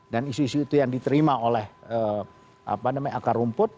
dan isu isu itu yang diterima oleh akar rumput